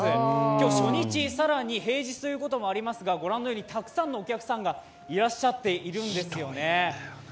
今日初日、更に平日ということもありますが御覧のように、たくさんのお客さんがいらっしゃっているんですよね。